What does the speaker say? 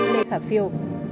lê khả phiêu